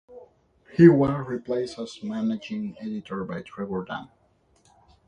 He was replaced as Managing Editor by Trevor Dann.